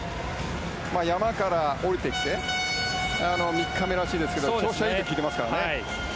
山から下りてきて３日目らしいですけど調子はいいと聞いてますからね。